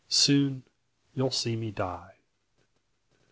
Soon you'll see me die."